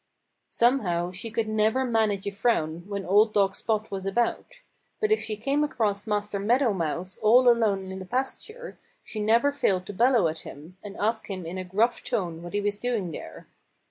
Somehow she could never manage a frown when old dog Spot was about. But if she came across Master Meadow Mouse all alone in the pasture she never failed to bellow at him and ask him in a gruff tone what he was doing there.